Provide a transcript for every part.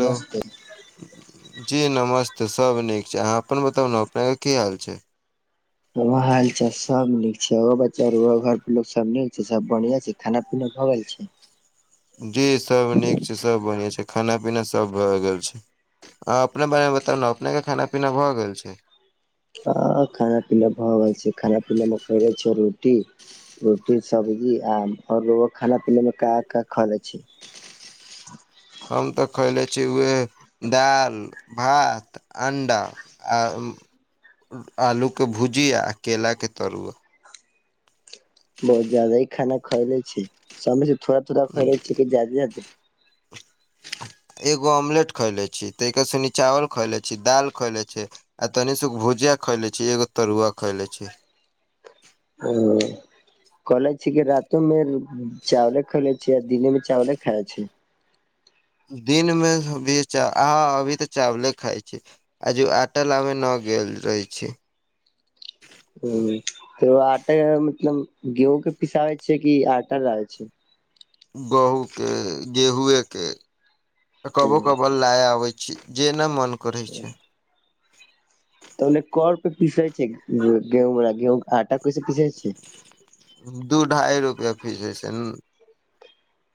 नमस्ते जी नमस्ते सब नीक छै अहाँ अपन बताउ ने अपने के की हाल छै हालचाल सब नीक छै ए बच्चा घर परोग सब नीक छै सब बढ़िया छै खाना पीना भगेल छै जी सब नीक छै सब बढ़िआँ छै खाना पीना सब भए गेल छै अहाँ अपने बारेमे बताउ ने अपनेके खाना पीना भऽ गेल छै हँ खाना पीना भऽ गेल छै खाना पीना मे करे छै रोटी रोटी सब्जी आम ओर रुउआ खाना पीनामे का का खा लै छै [inaudible] हम तऽ खयले छी उहे दालि भात अण्डा आ आलूके भुजिया आ केलाके तरुआ बहुत जदा ही खाना खाले छै समय थोड़ा थोड़ा खैले छिय कि जादे जादे एगो ऑमलेट खेले छी ताऽ सुनि चावल खोएले छी दाल खोएले छी आ तनिसगो भुजिया खाय ले छै एगो तरुआ खा ले छै ह [unintelligible] कहले छी कि रातो मे चावले खेले छी आ दिने में चावले खाइ छै दिन मे भी अह अभी तऽ चावले खाइ छी आ जे ओ टल लबे न गेल रहे छै ह त आटा मतलब गेहूं के पिसाबै छै कि आटा लाबै छै गहूँ के गेहूए के कबो ओ, कबो ला आबै छी जे नहि मन करै छै तऽ ओने कर पे पीसे छै गेहूँ गेहूँ आटा कोइस पीसै छै दू ढाइ रुपआ फीस ह छै ने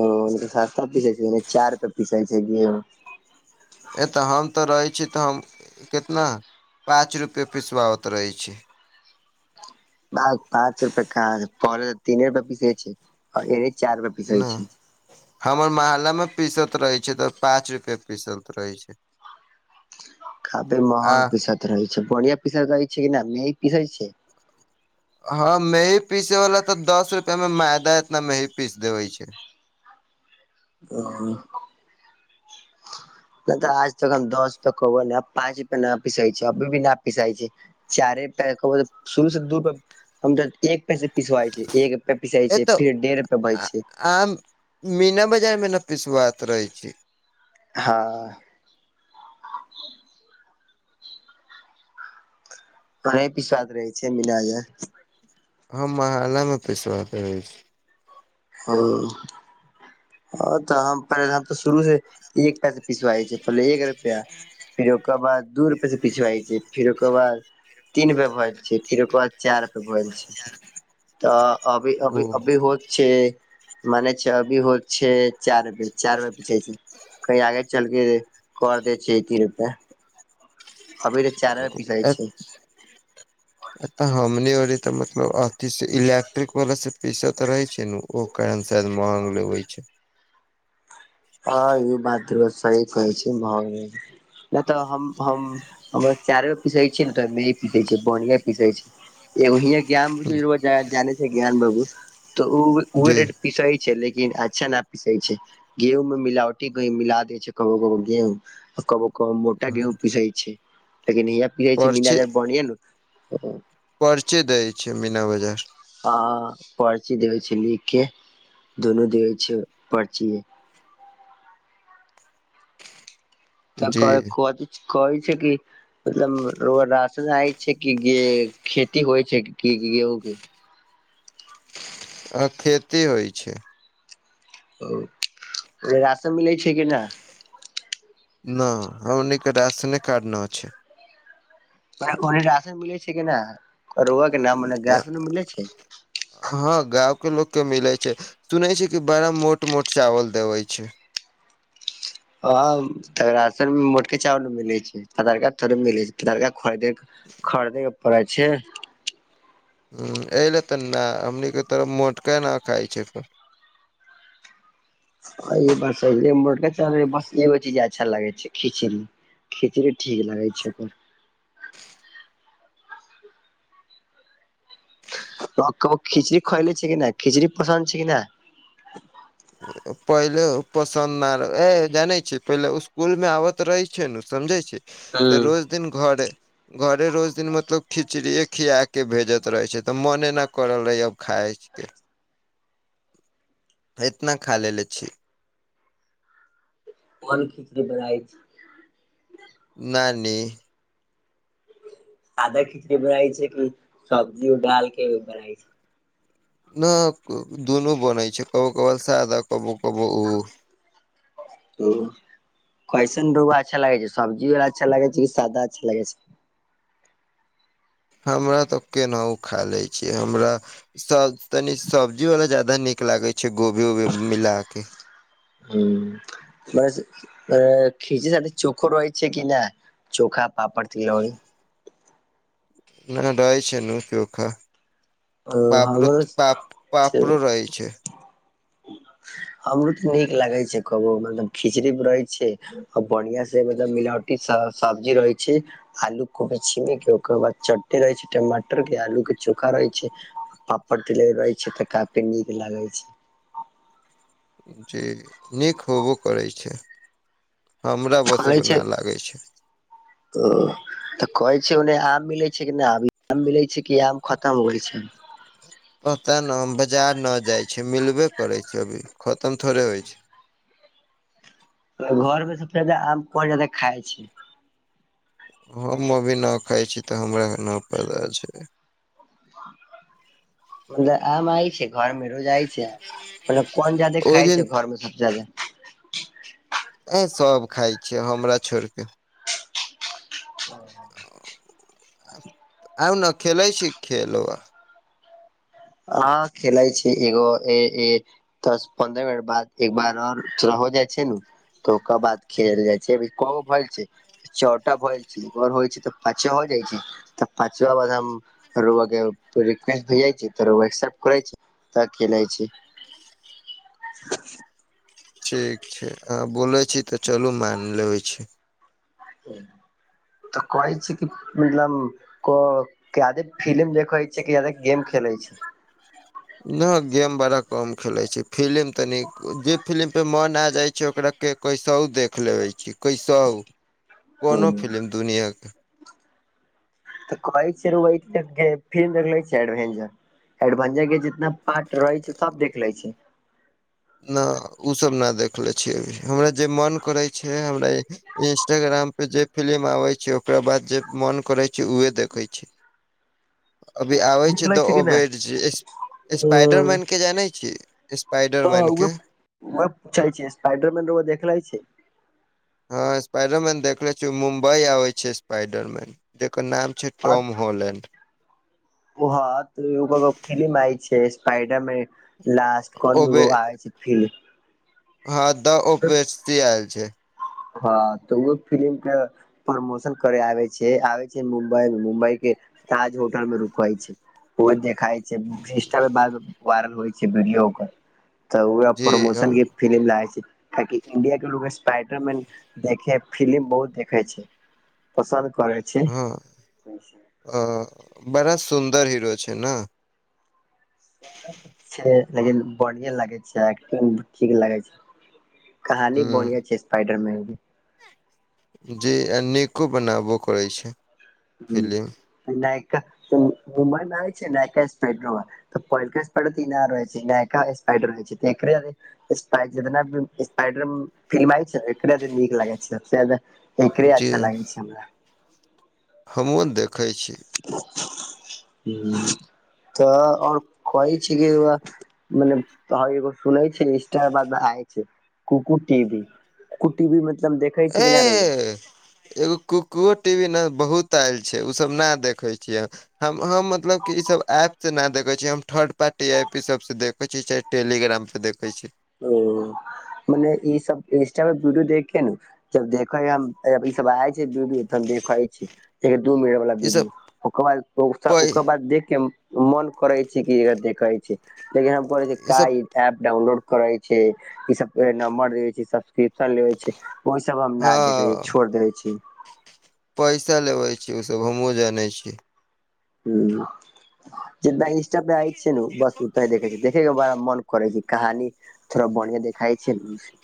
ओ सास्ता पीसाय छै चार पे पीसाय छै ग ए तऽ हम तऽ रहै छी तऽ हम कितना पाँच रुपे पिसबाबत रहै छै पाँच रुप काज प तीने रुप पीसे छै एे चार रुप पीसै न छै हमर मोहल्लामे पीसल रहै छै तऽ पाँच रुप पीसत रहै छै काफी आ महग पीसैत रहै छै बढ़िया पीसैत रहै छै कि नहि मेी पीसैत छै हँ मेंही पीसे वाल तऽ दस रुपआ मे मैदा एतना मेही पीस देवे छै हॅं [inaudible] नहि तऽ आज तक हम दस तक कहबै ल पाँच रुपे नहि पीसै छै अभी भी नहि पीस छै चारे पै क शुरू से दूर हम त एक प पिसवाय छै एक रुप पिसा ए छै तऽ फर डेढ़ रुपआ भय आ जाय छै आम मीना बजारमे नह पिसबाकैत रहै छी हँ पिस्वाद रहै छै मिन जा हम महाला मे पसबाक रह अछि ह हँ तऽ हम पहि हम तऽ शुरू से एक पैसे पिसबाइ छै पहिले एक रुपैआ फिर ओकर बाद दू रुप स पिछाइ छै फिर ओकर बाद तीन प भल छै फेर ओकर बाद चार प भल छै तऽ अभी ओ अभी अभी होत छै मने छै अभी हो छै चारी चार मे पूछै छै की आगे चलके कर देै छै रुपे अभी त चारे पिसाइ छै तऽ हमनी आरे त मतलब अथी से इलेक्ट्रिक वला से पीस त रहे छै ने ओ कारण से महंग लेबे छै हँ ई बात सही कहै छै भऽ गेल नहि तऽ हम हम हम चार गो पीसे छी ने तऽ मे पीसे छ बढ़िया पीसे छै एग अ ज्ञान ब जाने छै ज्ञान बाबू तऽ ओ उह जी रेट पिसै छै लेकिन अच्छा न पिसै छै गेहूं मिलावटी मिला देय छै कभो को गेहूं कबो को मोटा गेहूं पिसै छै लेकिन ह पि छै परचे माजर बनिय ने परचे दै छै मीना बाजार आ पर्ची देवे छै लिख के दुनू देवे छै पर्ची तऽ जी आ कहै छै कि मतलब राशन आय छै कि गे खेती होइ छै गेहू आ खेती होइ छै ओ ओ राशन मिलै छै कि नइ न हमर नीक राशन कारड न छै राशन मिलै छै केना के नाम मने टाशनो मिलै छै हँ गांव के लोक के मिले छै सुनै छै कि बड़ा मोट मोट चावल देवे छै हँ त राशन मे मोटके चाावल मिले छै आधार कार्ड थोड़े मिले छै लड़का खरीद के खरीदे के पड़ै छै ह एहि ले तऽ नहि हमनीके तरफ मोटका न खाय छै ह ई बस ब ब जा अच्छा लागे छै खिचड़ी खिचड़ी ठीक लागे छै ओकर त कबो खिचड़ी खइले छै कि न खिचड़ी पसन्द छै कि नहि पहिले पसन्द आ ए जानै छी पहिले स्कुल मे आबत रहे छै ने समझै छै तऽ हूँ रोज दिन घर घरे रोज दिन मतलब खिचड़िए खिया कऽ भेजैत रहैत छै तऽ मोने नहि करल रहै आब खाइतके इतना खा लेलेे छी अन खिची देड़ छै नानी आदा खिचड़ी बनाय छै कि सब्जी उ डाल के बनाय छै न दुनू बनै छै कबो कबो सादा कबो कबो उ ह कैसन रोब अच्छा लागै छै सब्जी वला अच्छा लगे छै कि सादा अच्छा लगे छै हमरा तऽ केनाउ खा लै छी हमरा सब तनी सब्जी वाला ज्यादा नीक लागे छै गोभी वोभी मिला के ह म खीचड़ी साथे चोखो रहै छै कि नहि चोखा पापड़ तिलौरी रहै छै नू चोखा ओ हमरो पाप पापरो रहै छै हमरो तऽ नीक लागे छै कबो मतलब खिचड़ी मे रहै छै बढ़िआ से मतलब मिलावटी सब्जी रहै छै आलू कोभी छिमी के ओकर बाद चट्टी रहै छै टमाटर के आलू के चोखा रहै छै पापड़ तिलौरी रहै छै तऽ काफी नीक लागे छै जी नीक होबो करैत छै हमरा बस कहै एगो छै नहि लागै छै ओ तऽ कहै छै ओन्ने आम मिलै छै कि नहि अभी आम मिलै छै कि आम खत्म होय छै पत्ता न हम बाजार न जाय छी मिलबे करे छै अभी खत्म थोड़े होय छै घर में सबसे जादा आम कोन जादा खाय छी हम अभी न खाय छी तऽ हमरा न पता छै बलेआम आय छै घर मे रोजा आइ छै मतलब कोन जादे ओहि खाइ दिन छै घर में सबस जादा अए सब खाय छियै हमरा छोड़िक ह आउ ने खेलै छी खेल आ खेलै छी एगो दस पन्द्रह मिनट बाद एक बार आओर हो जाय छै ने तऽ ओकर बाद खेल जाय छै अभी क भल छै छओ टा भल छै होइ छै तऽ पाँचे हो जाय छै तऽ पांचवा बाद हम र‌उआ रिक्वेस हो जाय छै त र‌उआ एक्सेप्ट करै छी तऽ खेलै छी ठीक छै अ बोले छी तऽ चलू मान लेबे छी तऽ कहै छी की मतलब को कदे फिलिम देखैत छी गेम खेलैत छी नहि गेम बड़ा कम खेलैत छै फिलिम तनी जे फिलिमपर मोन आ जाइत छै ओकरा के कैसाउ देख लेबै छी कैसाउ कोनो हम्म, फिलिम दुनियाके तऽ क चर फिल्म देखलें छियै एडबेंजर ना पाट रहै छै सब देख लै छै ना ओ सब न देखले छियै अभी हमरा जे मन करै छै हमरा य इंस्टाग्राम पे जे फिल्म आबे छै ओकरा बाद जे मन करे छै उहे देखो छै अभी आबै छै देखले द छी कि ओ नहि बेर स्पाइडर ह मैन के जाने छियै स्पाइडर मैैन के व पूछ छै स्पाइडरमन र‌उआ देखलै छियै हँ स्पाइडर मैन देखले छ मुम्बई आबे छै स्पाइडर मैन जकर नाम छै टॉम होलैंड ओ ह त ओकर एगो फिल्म आय छै स्पाइडर मैन लास्ट कोन ओबे एगो आय छै फिल्म हँ त ओ बेस्टी आयल छै हँ तऽ ओहो फिल्म के प्रमोशन करे आबे छै आबै छै मुम्बई मे मुम्बई के ताज होटल मे रुकै छै ओहे देखाइ छै इंस्टाग्राम पर वायरल होय छै वीडियो ओकर तऽ ओहे जी प्रमोशन हम के फिल्म ला आए छै कियाकि इंडिया के लोग स्पाइ रमैन देखै फिलिम बहुत देखे छै पसन्द करै छै हँ अ बड़ा सुन्दर हीरो छै न छै लेकिन बढ़िया लागै छै एक्टिंग ठीक लागै छै कहानी ह बढ़िया छै स्पाइडर मैन मे जी आ नीको बनैबो करैत छै फिलिम नायका हक हुमान आय छै नक्पेड्रो तऽ पहिलका स्पइड त इ नहि रहै छै इ नहि एका स्पइड रहै छै तऽ एक स्पाड जितना भी स्पाइडर फिल्म आइ छै एखने त नीक लागै छै सबस ज्यादा एकरे अच्छा लागै छै हमरा हमहूँ देखै छी तऽ और कहै छी कि ओ मने त एगो सुनै छै इंस्टा बाद मे आइ छै कुकु टीवी कु टीवी मतलब देख ऐ एगो कुकुओ टीवी ने बहुत आयल छै ओ सब न देखे छियै हम हम मतलब कि ई सब ऐप से ना देखै छियै हम थर्ड पार्टी ऐप ई सब से देखे छियै टेलीग्राम पे देखै छी ओ मने ई सब इंस्टा प वीडियो देख के नु जब देखै हम ई सब आ छै विडियो त हम देखइ छी एक दू मिन वाला ई सब वीडियो ओकर बाद पै ओकर बाद देख के हम मन करै छै कि एकरा देखै छी लेकिन हम करैछी का ई ऐप डाउनलोड करै छी ई सब पे नंबर देवै छै सब्सक्रिप्शन लेेबै छै ओहि से अब हम ना देखै छी हँ छोड़ देै छी पैसा लेबै छै ओसभ हमहुँ जानै छी हं जितना इंस्टा पे आय छे नु बस ओतना ही देखै छी देखेके बड़ा मन करै छै कहानी थोड़ा बढ़िआँ देखाइ छै नु से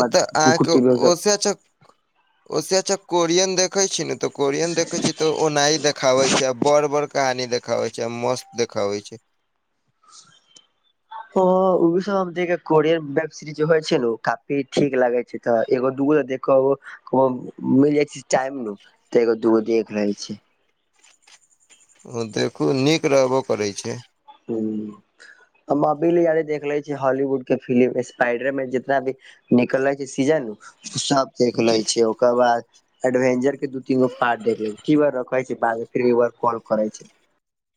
ए तऽ अहाँके ओ से अच्छा ओ से अच्छा कोरियन देखै छी नु त कोरियन देखे छी त ओनाही देखाबे छै आ बड़ बड़ कहानी देख खाबै छै आ मस्त देखाबै छै [inaudible] हं ओहो सब हम देखै कोरियन वेब सीरिज जे होइ छै न काफी ठीक लागै छै तऽ एगो दूगो देख कबो कबो मिल जाइ छै टाइम नु तऽ एगो दूगो देख लै छी हं देखू नीक रहबो करै छै हू हम अभी ले हाले देख लै छियै हॉलीवुड के फिलिम स्पाइडर मैन जितना भी निकलै छै सीजन नु से सब देख लै जी छी ओ ओकर बाद एडवेंजर के दू तीन गो पार्ट देख लै ठीक बा रखै छी बाद में फिर एक बार कॉल करै छी